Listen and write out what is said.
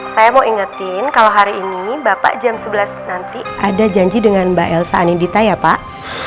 saya mau ingetin kalau hari ini bapak jam sebelas nanti ada janji dengan mbak elsa anindita ya pak